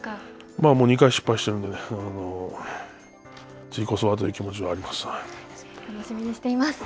まあもう２回失敗してるんでね、次こそはという気持ちは楽しみにしています。